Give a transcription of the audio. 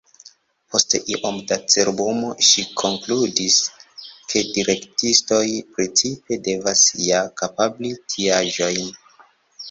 Post iom da cerbumo ŝi konkludis, ke direktistoj principe devas ja kapabli tiaĵojn.